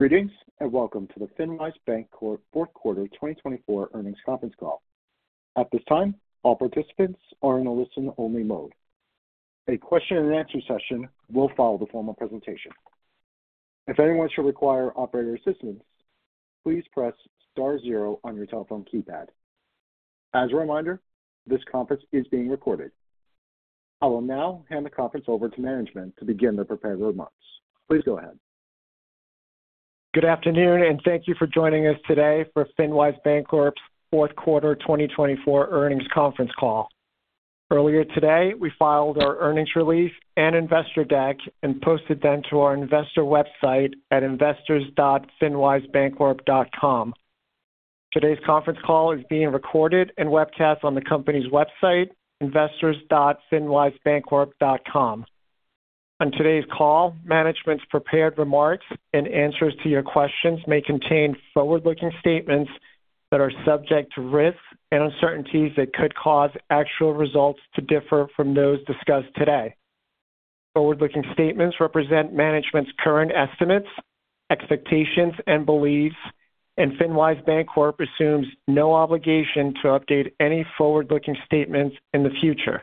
Greetings and welcome to the FinWise Bancorp Fourth Quarter 2024 Earnings Conference Call. At this time, all participants are in a listen-only mode. A question-and-answer session will follow the formal presentation. If anyone should require operator assistance, please press star zero on your telephone keypad. As a reminder, this conference is being recorded. I will now hand the conference over to management to begin their preparatory remarks. Please go ahead. Good afternoon, and thank you for joining us today for FinWise Bancorp's Fourth Quarter 2024 Earnings Conference Call. Earlier today, we filed our earnings release and investor deck and posted them to our investor website at investors.finwisebancorp.com. Today's conference call is being recorded and webcast on the company's website, investors.finwisebancorp.com. On today's call, management's prepared remarks and answers to your questions may contain forward-looking statements that are subject to risks and uncertainties that could cause actual results to differ from those discussed today. Forward-looking statements represent management's current estimates, expectations, and beliefs, and FinWise Bancorp assumes no obligation to update any forward-looking statements in the future.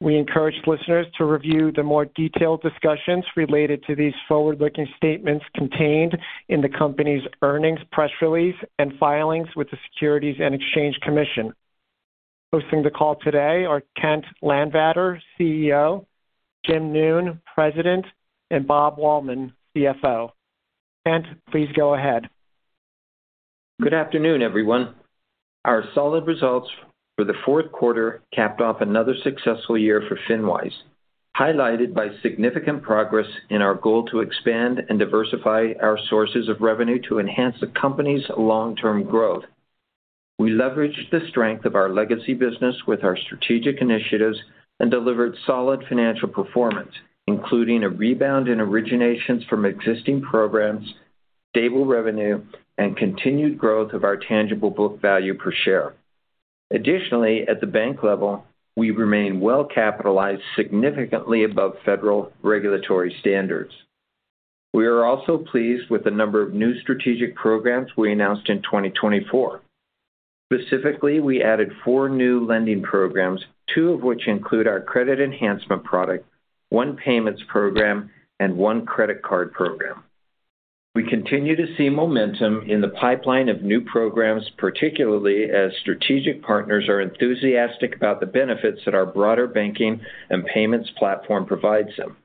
We encourage listeners to review the more detailed discussions related to these forward-looking statements contained in the company's earnings press release and filings with the Securities and Exchange Commission. Hosting the call today are Kent Landvatter, CEO, James Noone, President, and Robert Wahlman, CFO. Kent, please go ahead. Good afternoon, everyone. Our solid results for the fourth quarter capped off another successful year for FinWise, highlighted by significant progress in our goal to expand and diversify our sources of revenue to enhance the company's long-term growth. We leveraged the strength of our legacy business with our strategic initiatives and delivered solid financial performance, including a rebound in originations from existing programs, stable revenue, and continued growth of our tangible book value per share. Additionally, at the bank level, we remain well-capitalized significantly above federal regulatory standards. We are also pleased with the number of new strategic programs we announced in 2024. Specifically, we added four new lending programs, two of which include our credit enhancement product, one payments program, and one credit card program. We continue to see momentum in the pipeline of new programs, particularly as strategic partners are enthusiastic about the benefits that our broader banking and payments platform provides them.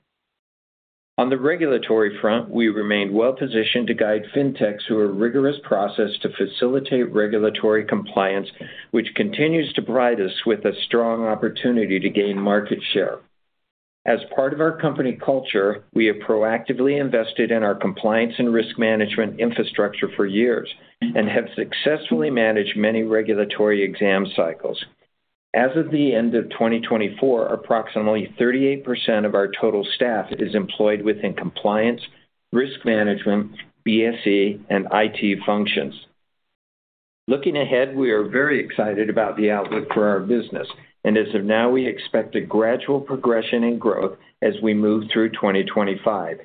On the regulatory front, we remain well-positioned to guide fintechs through a rigorous process to facilitate regulatory compliance, which continues to provide us with a strong opportunity to gain market share. As part of our company culture, we have proactively invested in our compliance and risk management infrastructure for years and have successfully managed many regulatory exam cycles. As of the end of 2024, approximately 38% of our total staff is employed within compliance, risk management, BSA, and IT functions. Looking ahead, we are very excited about the outlook for our business, and as of now, we expect a gradual progression in growth as we move through 2025.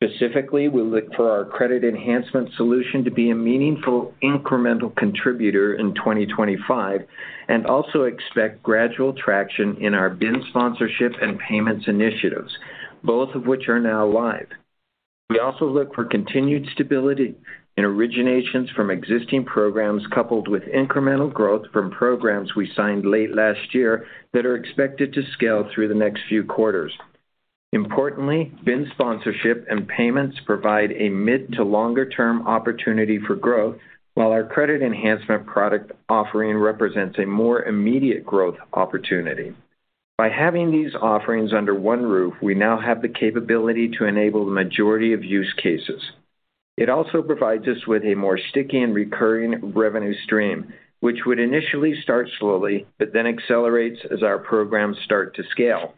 Specifically, we look for our credit enhancement solution to be a meaningful incremental contributor in 2025 and also expect gradual traction in our BIN sponsorship and payments initiatives, both of which are now live. We also look for continued stability in originations from existing programs coupled with incremental growth from programs we signed late last year that are expected to scale through the next few quarters. Importantly, BIN sponsorship and payments provide a mid- to longer-term opportunity for growth, while our credit enhancement product offering represents a more immediate growth opportunity. By having these offerings under one roof, we now have the capability to enable the majority of use cases. It also provides us with a more sticky and recurring revenue stream, which would initially start slowly but then accelerates as our programs start to scale.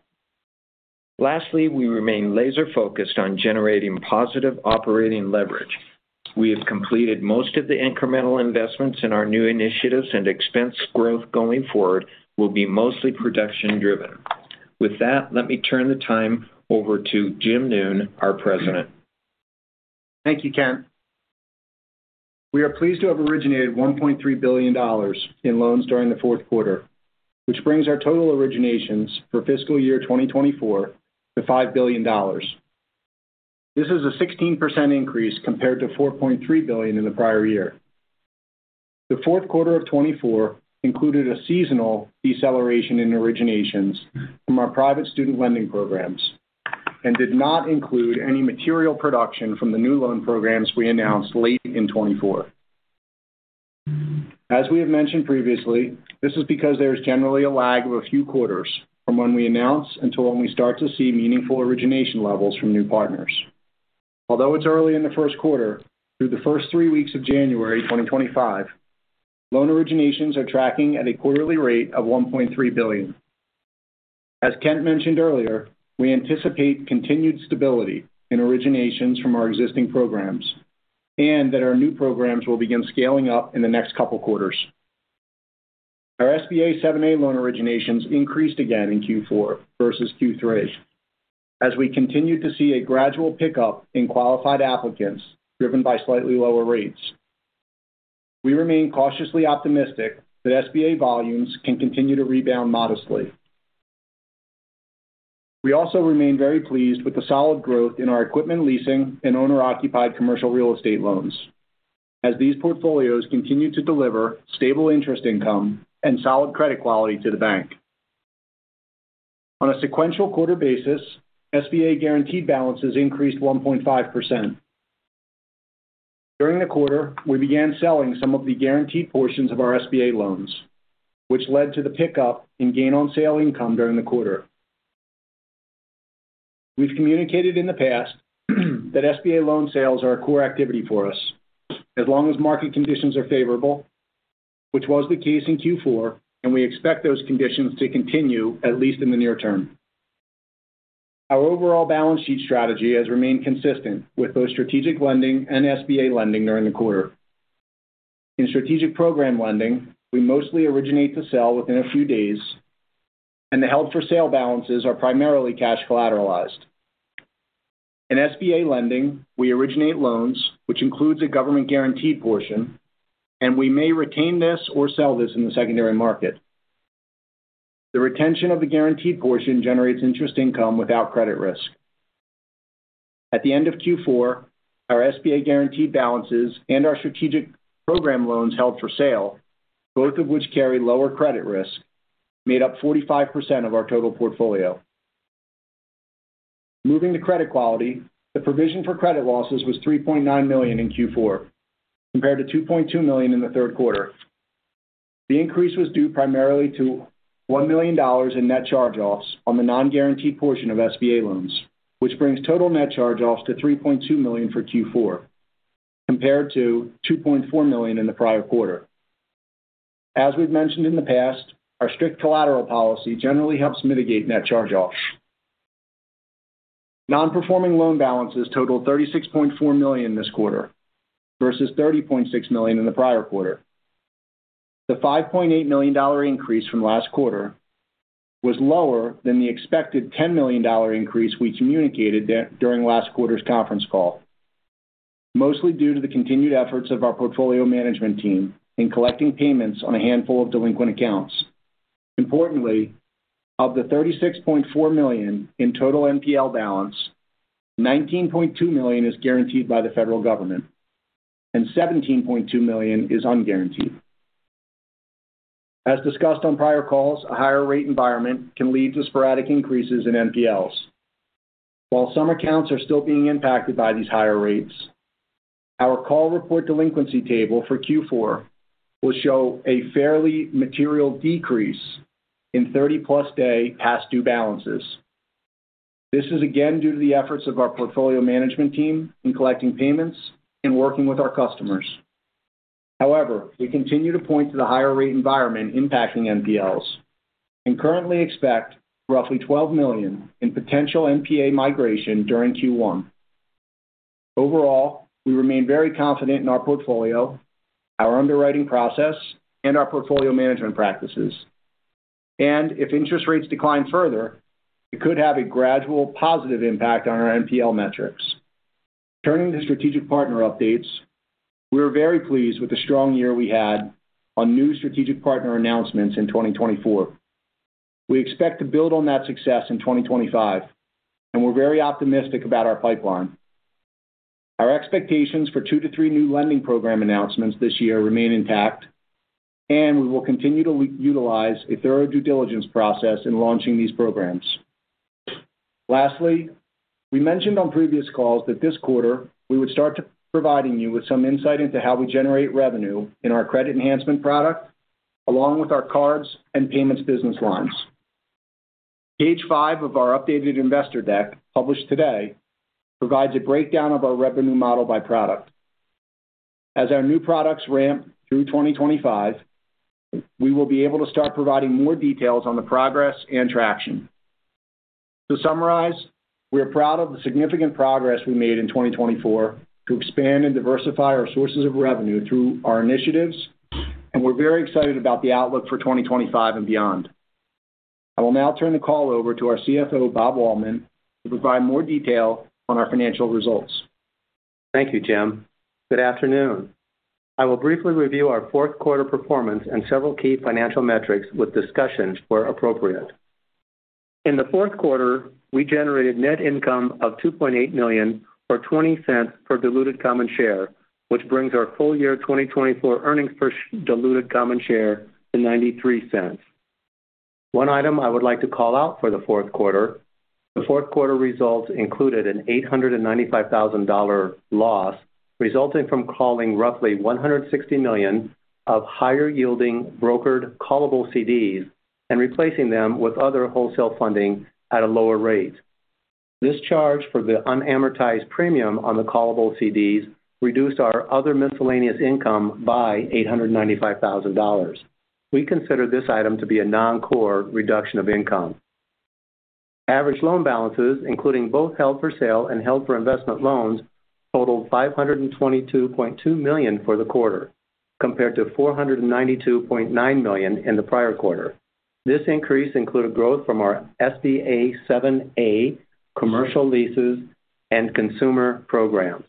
Lastly, we remain laser-focused on generating positive operating leverage. We have completed most of the incremental investments in our new initiatives, and expense growth going forward will be mostly production-driven. With that, let me turn the time over to James Noone, our President. Thank you, Kent. We are pleased to have originated $1.3 billion in loans during the fourth quarter, which brings our total originations for fiscal year 2024 to $5 billion. This is a 16% increase compared to $4.3 billion in the prior year. The fourth quarter of 2024 included a seasonal deceleration in originations from our private student lending programs and did not include any material production from the new loan programs we announced late in 2024. As we have mentioned previously, this is because there is generally a lag of a few quarters from when we announce until when we start to see meaningful origination levels from new partners. Although it's early in the first quarter, through the first three weeks of January 2025, loan originations are tracking at a quarterly rate of $1.3 billion. As Kent mentioned earlier, we anticipate continued stability in originations from our existing programs and that our new programs will begin scaling up in the next couple of quarters. Our SBA 7(a) loan originations increased again in Q4 versus Q3, as we continued to see a gradual pickup in qualified applicants driven by slightly lower rates. We remain cautiously optimistic that SBA volumes can continue to rebound modestly. We also remain very pleased with the solid growth in our equipment leasing and owner-occupied commercial real estate loans, as these portfolios continue to deliver stable interest income and solid credit quality to the bank. On a sequential quarter basis, SBA guaranteed balances increased 1.5%. During the quarter, we began selling some of the guaranteed portions of our SBA loans, which led to the pickup in gain-on-sale income during the quarter. We've communicated in the past that SBA loan sales are a core activity for us as long as market conditions are favorable, which was the case in Q4, and we expect those conditions to continue at least in the near term. Our overall balance sheet strategy has remained consistent with both strategic lending and SBA lending during the quarter. In strategic program lending, we mostly originate to sell within a few days, and the held-for-sale balances are primarily cash collateralized. In SBA lending, we originate loans, which includes a government-guaranteed portion, and we may retain this or sell this in the secondary market. The retention of the guaranteed portion generates interest income without credit risk. At the end of Q4, our SBA guaranteed balances and our strategic program loans held for sale, both of which carry lower credit risk, made up 45% of our total portfolio. Moving to credit quality, the provision for credit losses was $3.9 million in Q4, compared to $2.2 million in the third quarter. The increase was due primarily to $1 million in net charge-offs on the non-guaranteed portion of SBA loans, which brings total net charge-offs to $3.2 million for Q4, compared to $2.4 million in the prior quarter. As we've mentioned in the past, our strict collateral policy generally helps mitigate net charge-offs. Non-performing loan balances totaled $36.4 million this quarter versus $30.6 million in the prior quarter. The $5.8 million increase from last quarter was lower than the expected $10 million increase we communicated during last quarter's conference call, mostly due to the continued efforts of our portfolio management team in collecting payments on a handful of delinquent accounts. Importantly, of the $36.4 million in total NPL balance, $19.2 million is guaranteed by the federal government, and $17.2 million is unguaranteed. As discussed on prior calls, a higher rate environment can lead to sporadic increases in NPLs. While some accounts are still being impacted by these higher rates, our call report delinquency table for Q4 will show a fairly material decrease in 30-plus-day past-due balances. This is again due to the efforts of our portfolio management team in collecting payments and working with our customers. However, we continue to point to the higher rate environment impacting NPLs and currently expect roughly $12 million in potential NPA migration during Q1. Overall, we remain very confident in our portfolio, our underwriting process, and our portfolio management practices, and if interest rates decline further, it could have a gradual positive impact on our NPL metrics. Turning to strategic partner updates, we are very pleased with the strong year we had on new strategic partner announcements in 2024. We expect to build on that success in 2025, and we're very optimistic about our pipeline. Our expectations for two to three new lending program announcements this year remain intact, and we will continue to utilize a thorough due diligence process in launching these programs. Lastly, we mentioned on previous calls that this quarter we would start providing you with some insight into how we generate revenue in our credit enhancement product, along with our cards and payments business lines. Page five of our updated investor deck published today provides a breakdown of our revenue model by product. As our new products ramp through 2025, we will be able to start providing more details on the progress and traction. To summarize, we are proud of the significant progress we made in 2024 to expand and diversify our sources of revenue through our initiatives, and we're very excited about the outlook for 2025 and beyond. I will now turn the call over to our CFO, Robert Wahlman, to provide more detail on our financial results. Thank you, James. Good afternoon. I will briefly review our fourth quarter performance and several key financial metrics with discussions where appropriate. In the fourth quarter, we generated net income of $2.8 million or $0.20 per diluted common share, which brings our full year 2024 earnings per diluted common share to $0.93. One item I would like to call out for the fourth quarter: the fourth quarter results included an $895,000 loss resulting from calling roughly $160 million of higher-yielding brokered callable CDs and replacing them with other wholesale funding at a lower rate. This charge for the unamortized premium on the callable CDs reduced our other miscellaneous income by $895,000. We consider this item to be a non-core reduction of income. Average loan balances, including both held-for-sale and held-for-investment loans, totaled $522.2 million for the quarter, compared to $492.9 million in the prior quarter. This increase included growth from our SBA 7(a) commercial leases and consumer programs.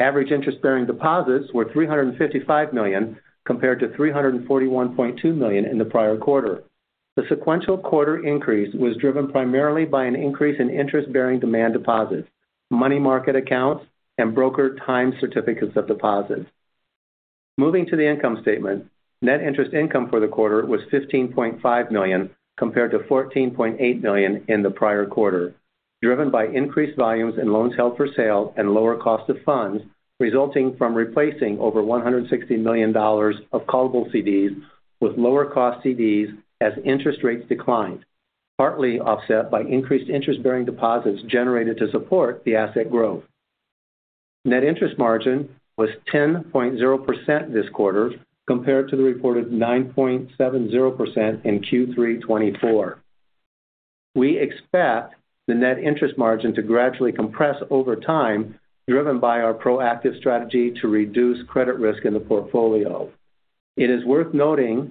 Average interest-bearing deposits were $355 million compared to $341.2 million in the prior quarter. The sequential quarter increase was driven primarily by an increase in interest-bearing demand deposits, money market accounts, and brokered time certificates of deposit. Moving to the income statement, net interest income for the quarter was $15.5 million compared to $14.8 million in the prior quarter, driven by increased volumes in loans held for sale and lower cost of funds resulting from replacing over $160 million of callable CDs with lower-cost CDs as interest rates declined, partly offset by increased interest-bearing deposits generated to support the asset growth. Net interest margin was 10.0% this quarter compared to the reported 9.70% in Q3 2024. We expect the net interest margin to gradually compress over time, driven by our proactive strategy to reduce credit risk in the portfolio. It is worth noting that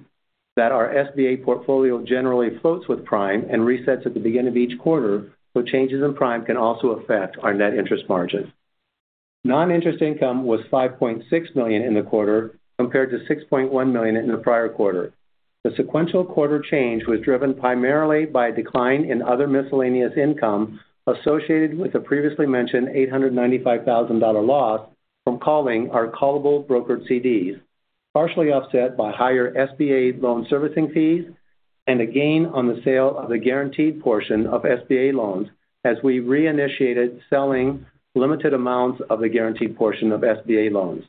our SBA portfolio generally floats with prime and resets at the beginning of each quarter, so changes in prime can also affect our net interest margin. Non-interest income was $5.6 million in the quarter compared to $6.1 million in the prior quarter. The sequential quarter change was driven primarily by a decline in other miscellaneous income associated with the previously mentioned $895,000 loss from calling our callable brokered CDs, partially offset by higher SBA loan servicing fees and a gain on the sale of the guaranteed portion of SBA loans as we reinitiated selling limited amounts of the guaranteed portion of SBA loans.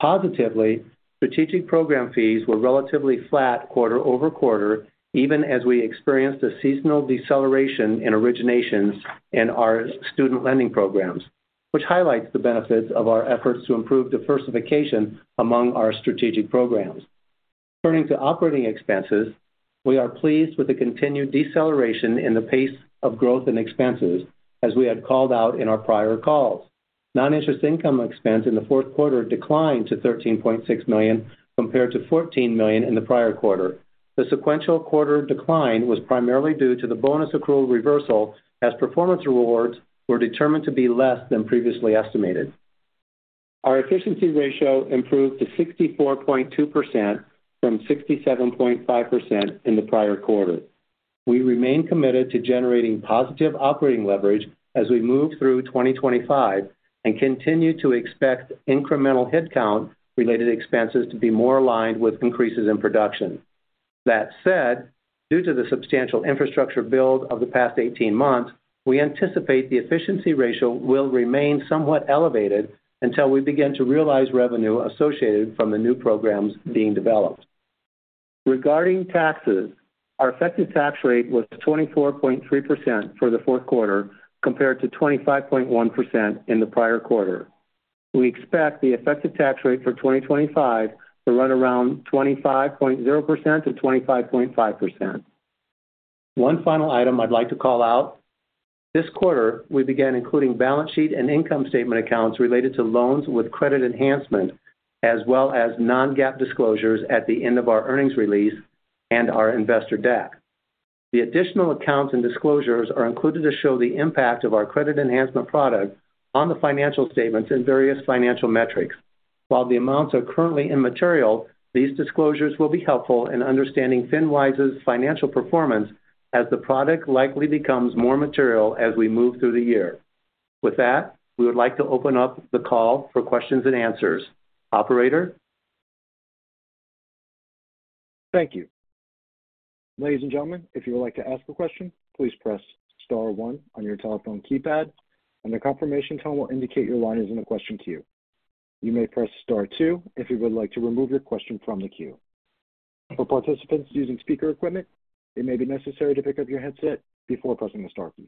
Positively, strategic program fees were relatively flat quarter over quarter, even as we experienced a seasonal deceleration in originations in our student lending programs, which highlights the benefits of our efforts to improve diversification among our strategic programs. Turning to operating expenses, we are pleased with the continued deceleration in the pace of growth in expenses, as we had called out in our prior calls. Non-interest expense in the fourth quarter declined to $13.6 million compared to $14 million in the prior quarter. The sequential quarter decline was primarily due to the bonus accrual reversal as performance rewards were determined to be less than previously estimated. Our efficiency ratio improved to 64.2% from 67.5% in the prior quarter. We remain committed to generating positive operating leverage as we move through 2025 and continue to expect incremental headcount-related expenses to be more aligned with increases in production. That said, due to the substantial infrastructure build of the past 18 months, we anticipate the efficiency ratio will remain somewhat elevated until we begin to realize revenue associated from the new programs being developed. Regarding taxes, our effective tax rate was 24.3% for the fourth quarter compared to 25.1% in the prior quarter. We expect the effective tax rate for 2025 to run around 25.0%-25.5%. One final item I'd like to call out: this quarter, we began including balance sheet and income statement accounts related to loans with credit enhancement, as well as non-GAAP disclosures at the end of our earnings release and our investor deck. The additional accounts and disclosures are included to show the impact of our credit enhancement product on the financial statements and various financial metrics. While the amounts are currently immaterial, these disclosures will be helpful in understanding FinWise's financial performance as the product likely becomes more material as we move through the year. With that, we would like to open up the call for questions and answers. Operator? Thank you. Ladies and gentlemen, if you would like to ask a question, please press star one on your telephone keypad, and the confirmation tone will indicate your line is in a question queue. You may press star two if you would like to remove your question from the queue. For participants using speaker equipment, it may be necessary to pick up your headset before pressing the star keys,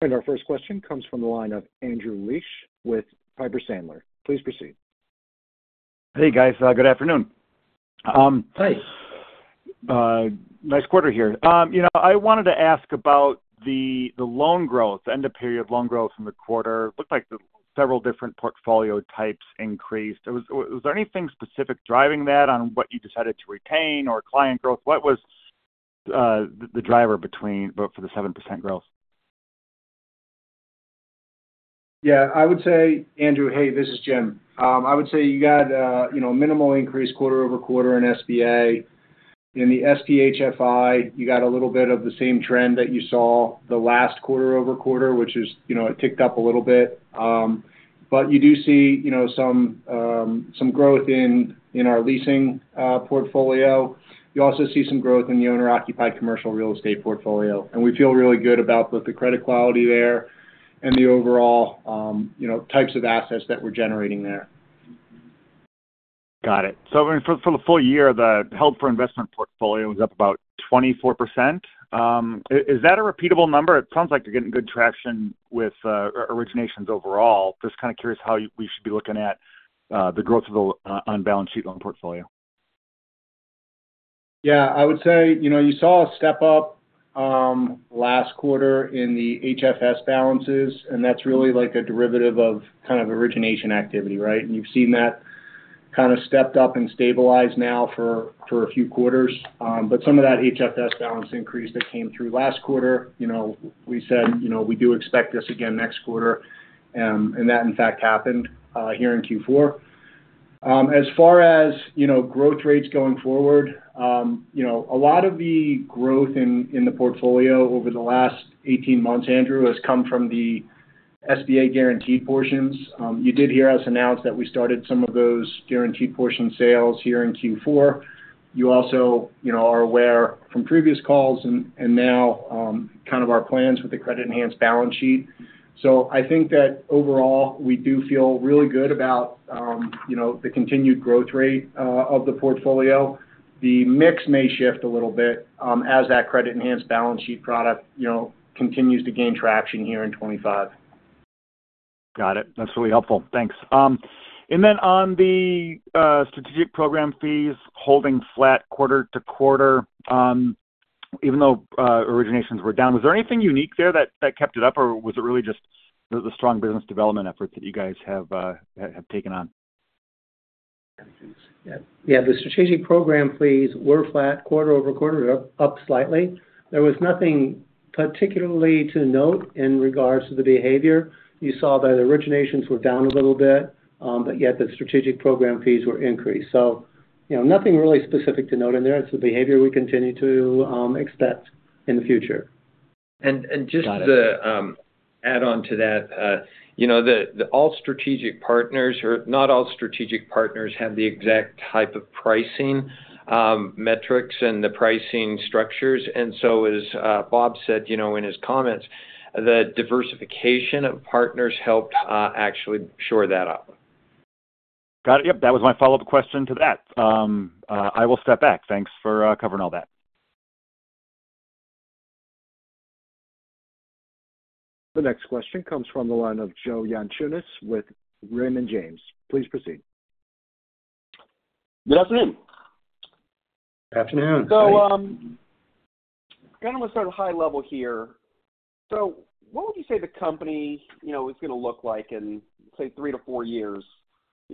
and our first question comes from the line of Andrew Liesch with Piper Sandler. Please proceed. Hey, guys. Good afternoon. Hi. Nice quarter here. I wanted to ask about the loan growth, end-of-period loan growth in the quarter. It looked like several different portfolio types increased. Was there anything specific driving that on what you decided to retain or client growth? What was the driver for the 7% growth? Yeah. I would say, Andrew, hey, this is Jim. I would say you got a minimal increase quarter over quarter in SBA. In the SP HFI, you got a little bit of the same trend that you saw the last quarter over quarter, which is, it ticked up a little bit, but you do see some growth in our leasing portfolio. You also see some growth in the owner-occupied commercial real estate portfolio, and we feel really good about both the credit quality there and the overall types of assets that we're generating there. Got it. So for the full year, the held-for-investment portfolio was up about 24%. Is that a repeatable number? It sounds like you're getting good traction with originations overall. Just kind of curious how we should be looking at the growth of the balance sheet loan portfolio. Yeah. I would say you saw a step up last quarter in the HFS balances, and that's really like a derivative of kind of origination activity, right? And you've seen that kind of stepped up and stabilized now for a few quarters. But some of that HFS balance increase that came through last quarter, we said we do expect this again next quarter. And that, in fact, happened here in Q4. As far as growth rates going forward, a lot of the growth in the portfolio over the last 18 months, Andrew, has come from the SBA guaranteed portions. You did hear us announce that we started some of those guaranteed portion sales here in Q4. You also are aware from previous calls and now kind of our plans with the credit-enhanced balance sheet. So I think that overall, we do feel really good about the continued growth rate of the portfolio. The mix may shift a little bit as that credit-enhanced balance sheet product continues to gain traction here in 2025. Got it. That's really helpful. Thanks. And then on the strategic program fees, holding flat quarter to quarter, even though originations were down, was there anything unique there that kept it up, or was it really just the strong business development efforts that you guys have taken on? Yeah. The strategic program fees were flat quarter over quarter, up slightly. There was nothing particularly to note in regards to the behavior. You saw that originations were down a little bit, but yet the strategic program fees were increased. So nothing really specific to note in there. It's the behavior we continue to expect in the future. And just to add on to that, all strategic partners or not all strategic partners have the exact type of pricing metrics and the pricing structures. And so, as Robert said in his comments, the diversification of partners helped actually shore that up. Got it. Yep. That was my follow-up question to that. I will step back. Thanks for covering all that. The next question comes from the line of Joe Yanchunis with Raymond James. Please proceed. Good afternoon. Good afternoon. So kind of let's start at a high level here. So what would you say the company is going to look like in, say, three to four years?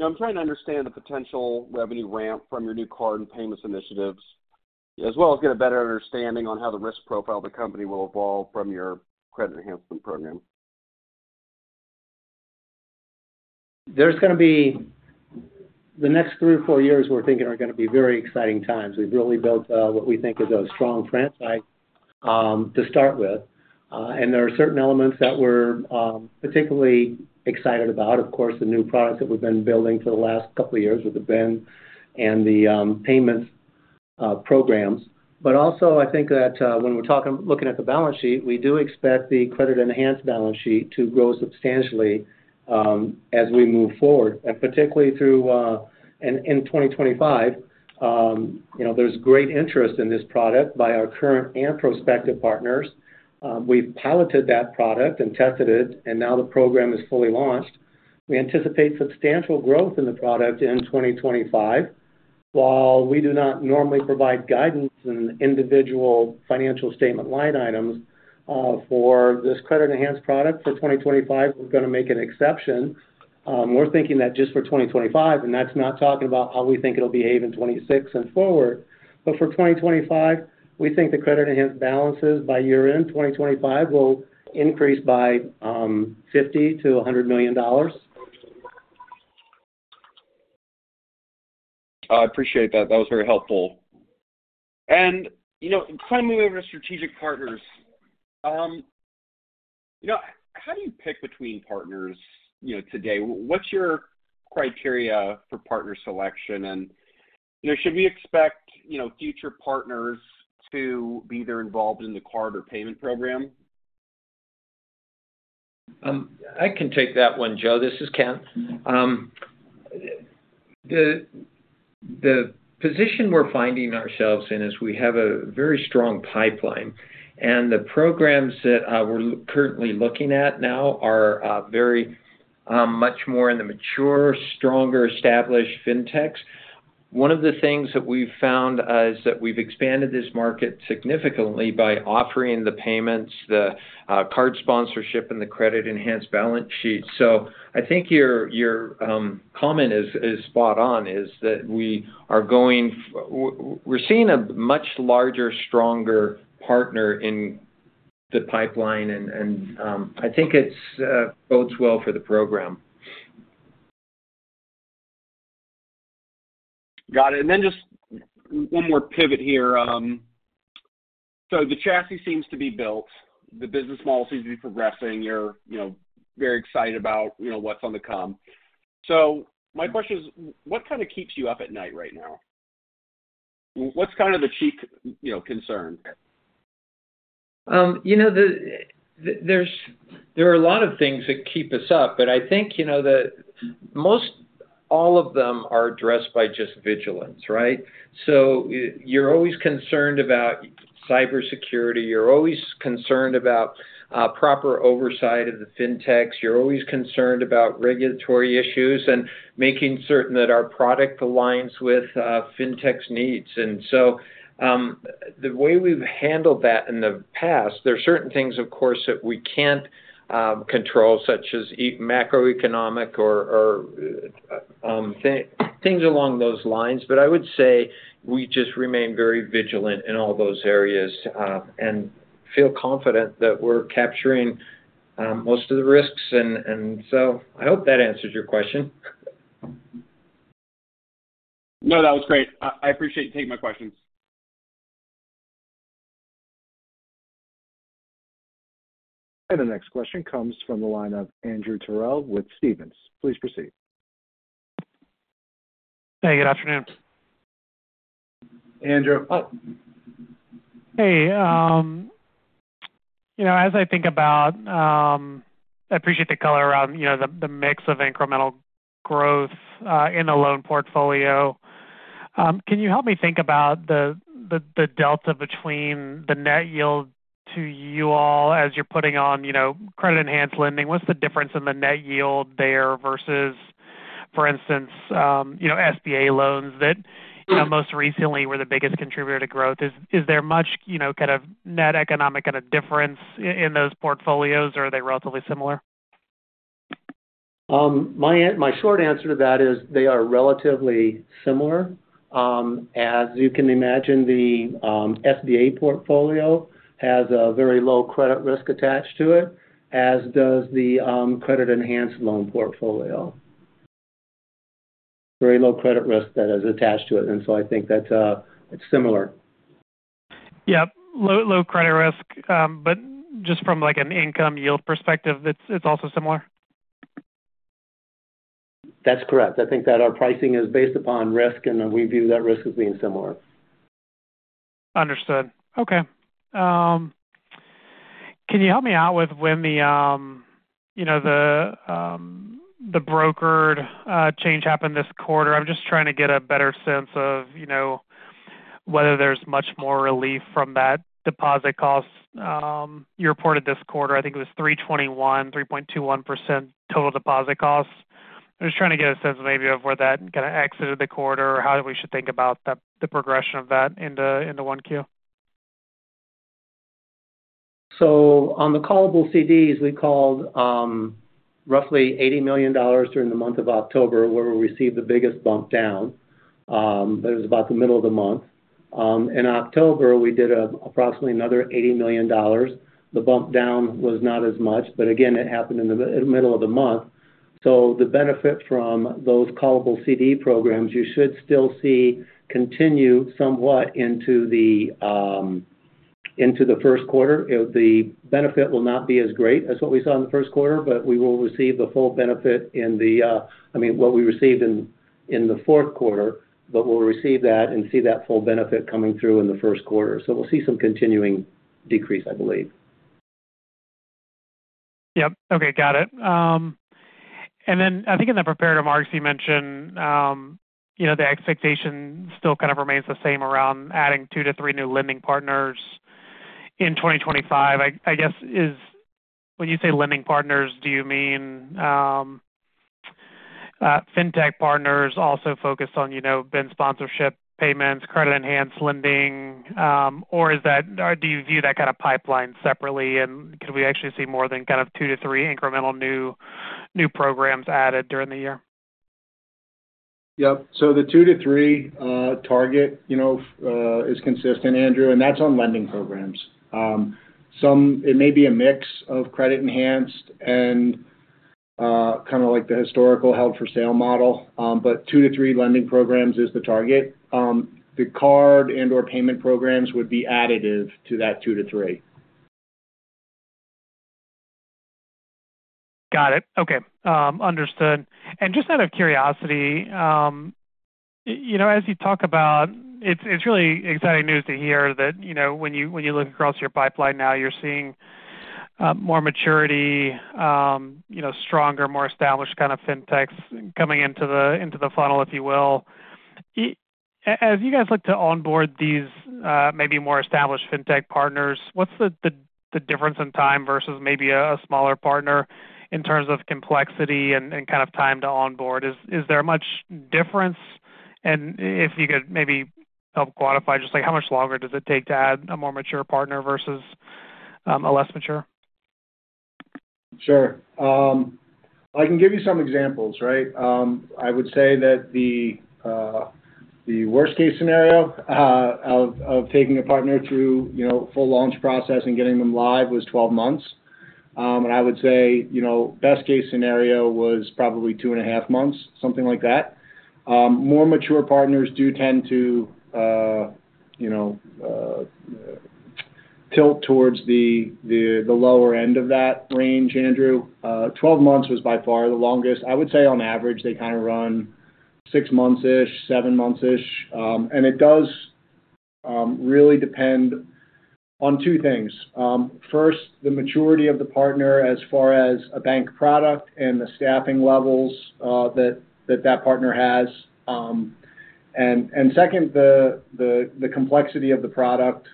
I'm trying to understand the potential revenue ramp from your new card and payments initiatives, as well as get a better understanding on how the risk profile of the company will evolve from your credit enhancement program. There's going to be the next three or four years we're thinking are going to be very exciting times. We've really built what we think is a strong franchise to start with. And there are certain elements that we're particularly excited about. Of course, the new products that we've been building for the last couple of years with the BIN and the payments programs. But also, I think that when we're looking at the balance sheet, we do expect the credit-enhanced balance sheet to grow substantially as we move forward, and particularly through in 2025. There's great interest in this product by our current and prospective partners. We've piloted that product and tested it, and now the program is fully launched. We anticipate substantial growth in the product in 2025. While we do not normally provide guidance in individual financial statement line items for this credit-enhanced product for 2025, we're going to make an exception. We're thinking that just for 2025, and that's not talking about how we think it'll behave in 2026 and forward. But for 2025, we think the credit-enhanced balances by year-end 2025 will increase by $50-$100 million. I appreciate that. That was very helpful, and kind of moving over to strategic partners, how do you pick between partners today? What's your criteria for partner selection, and should we expect future partners to be either involved in the card or payment program? I can take that one, Joe. This is Kent. The position we're finding ourselves in is we have a very strong pipeline. And the programs that we're currently looking at now are very much more in the mature, stronger, established fintechs. One of the things that we've found is that we've expanded this market significantly by offering the payments, the card sponsorship, and the credit-enhanced balance sheet. So I think your comment is spot on, is that we're seeing a much larger, stronger partner in the pipeline, and I think it bodes well for the program. Got it. And then just one more pivot here. So the chassis seems to be built. The business model seems to be progressing. You're very excited about what's on the come. So my question is, what kind of keeps you up at night right now? What's kind of the chief concern? There are a lot of things that keep us up, but I think that most all of them are addressed by just vigilance, right? So you're always concerned about cybersecurity. You're always concerned about proper oversight of the fintechs. You're always concerned about regulatory issues and making certain that our product aligns with fintechs' needs. And so the way we've handled that in the past, there are certain things, of course, that we can't control, such as macroeconomic or things along those lines. But I would say we just remain very vigilant in all those areas and feel confident that we're capturing most of the risks. And so I hope that answers your question. No, that was great. I appreciate you taking my questions. And the next question comes from the line of Andrew Terrell with Stephens. Please proceed. Hey, good afternoon. Andrew? Hey. As I think about, I appreciate the color around the mix of incremental growth in the loan portfolio. Can you help me think about the delta between the net yield to you all as you're putting on credit-enhanced lending? What's the difference in the net yield there versus, for instance, SBA loans that most recently were the biggest contributor to growth? Is there much kind of net economic kind of difference in those portfolios, or are they relatively similar? My short answer to that is they are relatively similar. As you can imagine, the SBA portfolio has a very low credit risk attached to it, as does the credit-enhanced loan portfolio. Very low credit risk that is attached to it. And so I think that it's similar. Yeah. Low credit risk. But just from an income yield perspective, it's also similar? That's correct. I think that our pricing is based upon risk, and we view that risk as being similar. Understood. Okay. Can you help me out with when the brokered change happened this quarter? I'm just trying to get a better sense of whether there's much more relief from that deposit cost. You reported this quarter, I think it was 3.21% total deposit cost. I'm just trying to get a sense maybe of where that kind of exited the quarter or how we should think about the progression of that into 1Q. So on the callable CDs, we called roughly $80 million during the month of October where we received the biggest bump down. That was about the middle of the month. In October, we did approximately another $80 million. The bump down was not as much, but again, it happened in the middle of the month. So the benefit from those callable CD programs, you should still see continue somewhat into the first quarter. The benefit will not be as great as what we saw in the first quarter, but we will receive the full benefit in the I mean, what we received in the fourth quarter, but we'll receive that and see that full benefit coming through in the first quarter. So we'll see some continuing decrease, I believe. Yep. Okay. Got it. And then I think in the prepared remarks, you mentioned the expectation still kind of remains the same around adding two to three new lending partners in 2025. I guess when you say lending partners, do you mean fintech partners also focused on BIN sponsorship payments, credit-enhanced lending, or do you view that kind of pipeline separately? And could we actually see more than kind of two to three incremental new programs added during the year? Yep. So the two to three target is consistent, Andrew, and that's on lending programs. It may be a mix of credit-enhanced and kind of like the historical held-for-sale model, but two to three lending programs is the target. The card and/or payment programs would be additive to that two to three. Got it. Okay. Understood. And just out of curiosity, as you talk about, it's really exciting news to hear that when you look across your pipeline now, you're seeing more maturity, stronger, more established kind of fintechs coming into the funnel, if you will. As you guys look to onboard these maybe more established fintech partners, what's the difference in time versus maybe a smaller partner in terms of complexity and kind of time to onboard? Is there much difference? And if you could maybe help quantify, just how much longer does it take to add a more mature partner versus a less mature? Sure. I can give you some examples, right? I would say that the worst-case scenario of taking a partner through full launch process and getting them live was 12 months. And I would say best-case scenario was probably two and a half months, something like that. More mature partners do tend to tilt towards the lower end of that range, Andrew. 12 months was by far the longest. I would say on average, they kind of run six months-ish, seven months-ish. And it does really depend on two things. First, the maturity of the partner as far as a bank product and the staffing levels that that partner has. And second, the complexity of the product,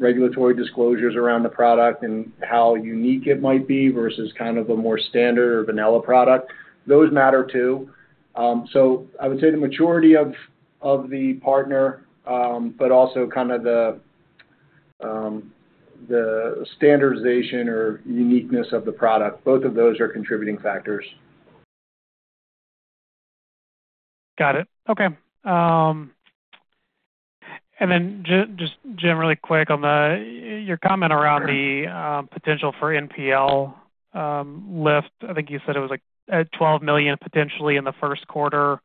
regulatory disclosures around the product and how unique it might be versus kind of a more standard or vanilla product. Those matter too. I would say the maturity of the partner, but also kind of the standardization or uniqueness of the product. Both of those are contributing factors. Got it. Okay. And then just generally quick on your comment around the potential for NPL lift, I think you said it was at $12 million potentially in the first quarter.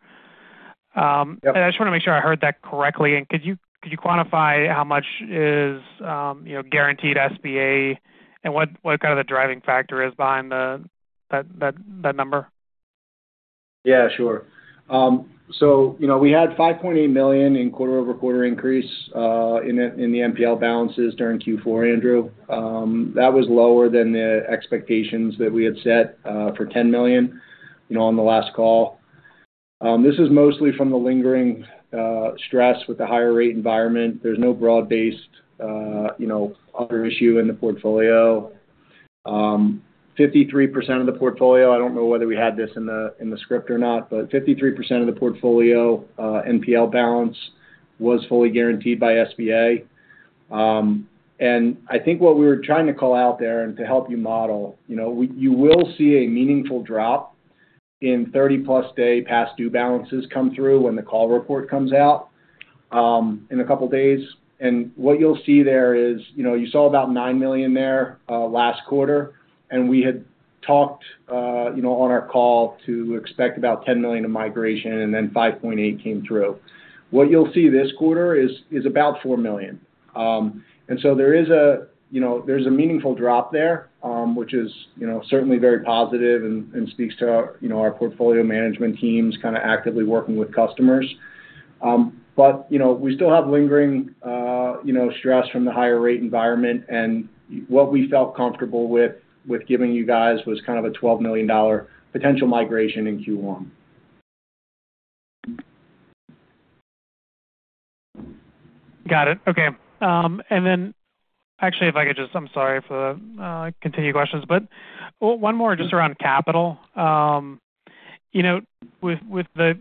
And I just want to make sure I heard that correctly. And could you quantify how much is guaranteed SBA and what kind of the driving factor is behind that number? Yeah, sure. So we had $5.8 million in quarter-over-quarter increase in the NPL balances during Q4, Andrew. That was lower than the expectations that we had set for $10 million on the last call. This is mostly from the lingering stress with the higher-rate environment. There's no broad-based other issue in the portfolio. 53% of the portfolio I don't know whether we had this in the script or not, but 53% of the portfolio NPL balance was fully guaranteed by SBA. And I think what we were trying to call out there and to help you model, you will see a meaningful drop in 30-plus-day past due balances come through when the call report comes out in a couple of days. What you'll see there is you saw about $9 million there last quarter, and we had talked on our call to expect about $10 million of migration, and then $5.8 million came through. What you'll see this quarter is about $4 million. So there is a meaningful drop there, which is certainly very positive and speaks to our portfolio management teams kind of actively working with customers. We still have lingering stress from the higher-rate environment, and what we felt comfortable with giving you guys was kind of a $12 million potential migration in Q1. Got it. Okay. And then actually, if I could just, I'm sorry for the continued questions, but one more just around capital. With the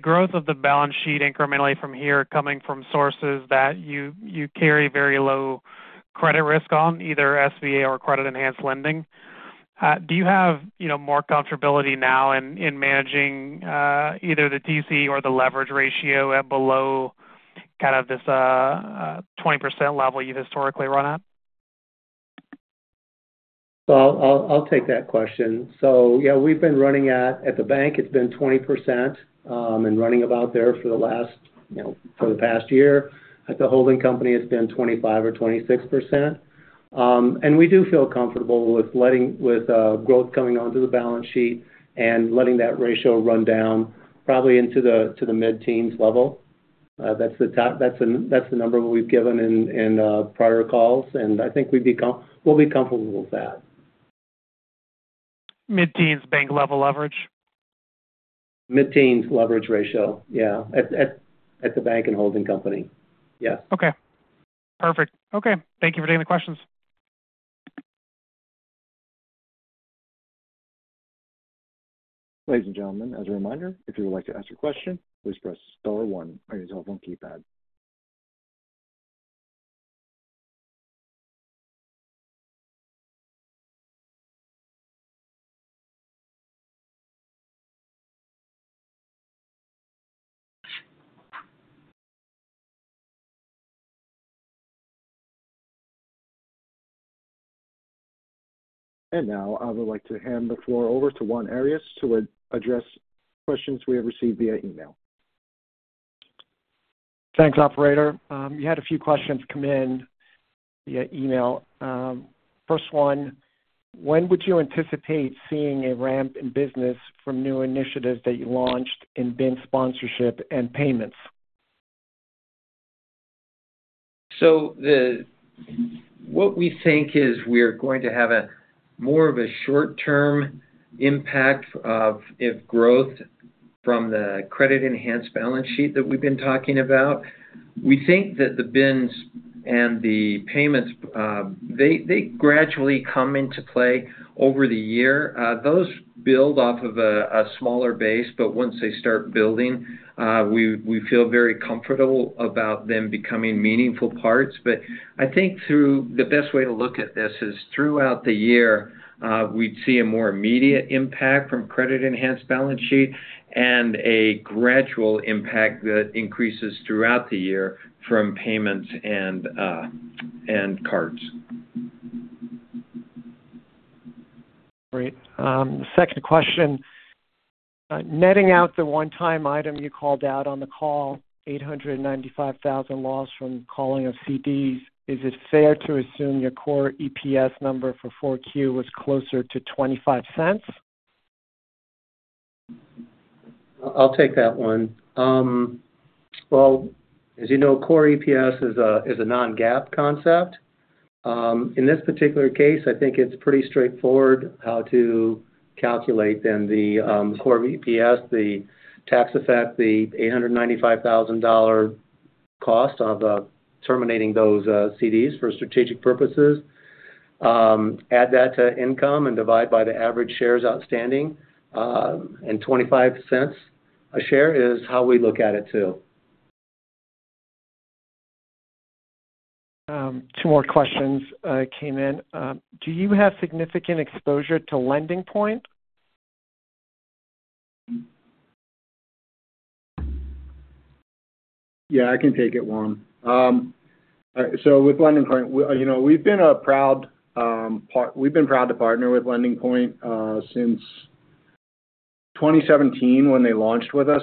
growth of the balance sheet incrementally from here coming from sources that you carry very low credit risk on, either SBA or credit-enhanced lending, do you have more comfortability now in managing either the TC or the leverage ratio at below kind of this 20% level you've historically run at? I'll take that question. Yeah, we've been running at the bank. It's been 20% and running about there for the past year. At the holding company, it's been 25%-26%. We do feel comfortable with growth coming onto the balance sheet and letting that ratio run down probably into the mid-teens level. That's the number we've given in prior calls, and I think we'll be comfortable with that. Mid-teens bank level leverage? Mid-teens leverage ratio, yeah. At the bank and holding company, yes. Okay. Perfect. Okay. Thank you for taking the questions. Ladies and gentlemen, as a reminder, if you would like to ask a question, please press star one on your telephone keypad. And now I would like to hand the floor over to Juan Arias to address questions we have received via email. Thanks, Operator. You had a few questions come in via email. First one, when would you anticipate seeing a ramp in business from new initiatives that you launched in BIN Sponsorship and Payments? So what we think is we're going to have more of a short-term impact of growth from the credit-enhanced balance sheet that we've been talking about. We think that the BINs and the payments, they gradually come into play over the year. Those build off of a smaller base, but once they start building, we feel very comfortable about them becoming meaningful parts. But I think the best way to look at this is throughout the year, we'd see a more immediate impact from credit-enhanced balance sheet and a gradual impact that increases throughout the year from payments and cards. Great. Second question. Netting out the one-time item you called out on the call, $895,000 loss from calling of CDs, is it fair to assume your core EPS number for 4Q was closer to $0.25? I'll take that one. Well, as you know, core EPS is a non-GAAP concept. In this particular case, I think it's pretty straightforward how to calculate then the core EPS, the tax effect, the $895,000 cost of terminating those CDs for strategic purposes. Add that to income and divide by the average shares outstanding, and $0.25 a share is how we look at it too. Two more questions came in. Do you have significant exposure to LendingPoint? Yeah, I can take it, Juan. So with LendingPoint, we've been proud to partner with LendingPoint since 2017 when they launched with us.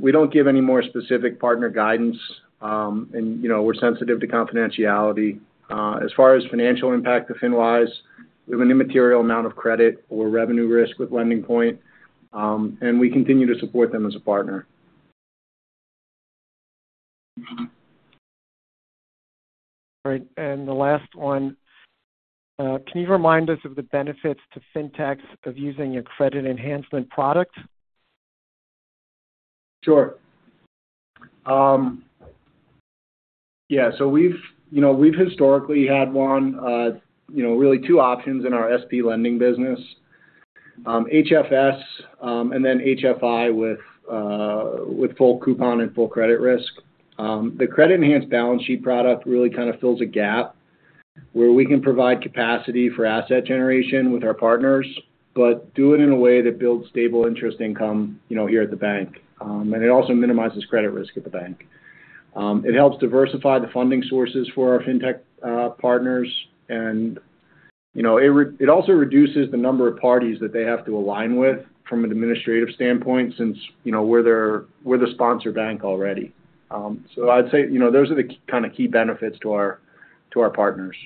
We don't give any more specific partner guidance, and we're sensitive to confidentiality. As far as financial impact of FinWise, we have an immaterial amount of credit or revenue risk with LendingPoint, and we continue to support them as a partner. All right, and the last one, can you remind us of the benefits to fintechs of using a credit-enhancement product? Sure. Yeah. So we've historically had, Juan, really two options in our SP lending business: HFS and then HFI with full coupon and full credit risk. The credit-enhanced balance sheet product really kind of fills a gap where we can provide capacity for asset generation with our partners, but do it in a way that builds stable interest income here at the bank. And it also minimizes credit risk at the bank. It helps diversify the funding sources for our fintech partners, and it also reduces the number of parties that they have to align with from an administrative standpoint since we're the sponsor bank already. So I'd say those are the kind of key benefits to our partners.